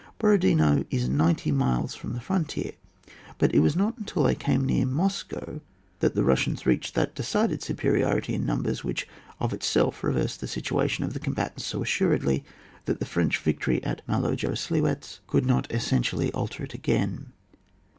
Borodino is ninetv miles from the frontier ; but it was not until they came near Moscow that the Bussians reached that decided superiority in num bers, whichof itself reversed the situation of the combatants so assuredly, that the French victory at Male Jaroslewetz coidd not essentially alter it again.